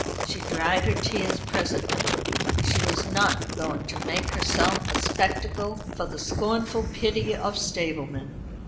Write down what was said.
She dried her tears presently; she was not going to make herself a spectacle for the scornful pity of stablemen.